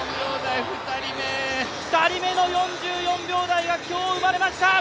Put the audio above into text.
２人目の４４秒台が今日、生まれました！